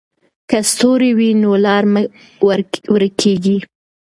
که ستوري وي نو لار نه ورکېږي.